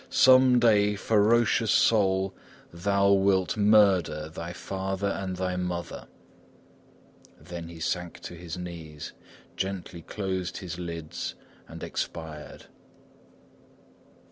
some day, ferocious soul, thou wilt murder thy father and thy mother!" Then he sank on his knees, gently closed his lids and expired.